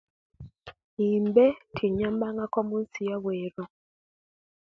Imbe timbangaku munsi yobweru